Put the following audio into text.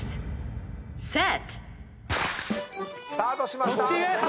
⁉スタートしました。